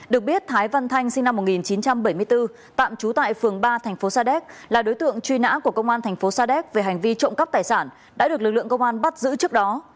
được biết thái văn thanh sinh năm một nghìn chín trăm bảy mươi bốn tạm trú tại phường ba thành phố sa đéc là đối tượng truy nã của công an thành phố sa đéc về hành vi trộm cắp tài sản đã được lực lượng công an bắt giữ trước đó